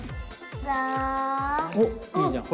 おっいいじゃんほら。